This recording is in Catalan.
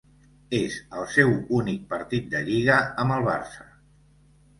És el seu únic partit de Lliga amb el Barça.